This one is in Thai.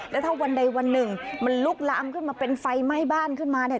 แล้วถ้าวันใดวันหนึ่งมันลุกลามขึ้นมาเป็นไฟไหม้บ้านขึ้นมาเนี่ย